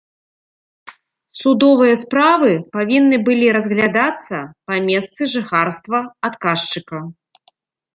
Судовыя справы павінны былі разглядацца па месцы жыхарства адказчыка.